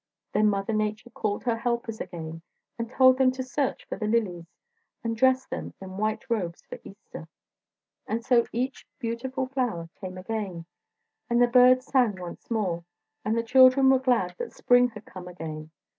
Then Mother Nature called her helpers again and told them to search for the lilies, and dress them in white robes for Easter. And so each beautiful flower came again and the birds sang once more, and the children were glad that spring had come again.